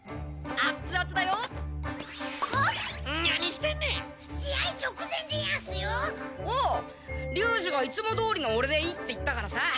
ああ龍二がいつもどおりの俺でいいって言ったからさ。